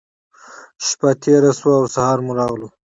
شپّه تېره شوه او سهار مو راغلو.